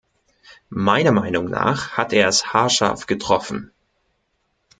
Meiner Meinung nach hat er es haarscharf getroffen.